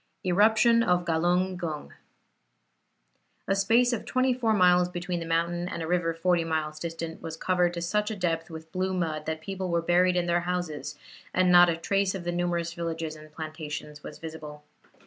ERUPTION OF GALUNG GUNG A space of twenty four miles between the mountain and a river forty miles distant was covered to such a depth with blue mud, that people were buried in their houses, and not a trace of the numerous villages and plantations was visible.